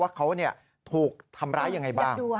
ว่าเขาถูกทำร้ายยังไงบ้าง